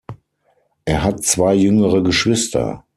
Er hat zwei jüngere Geschwister.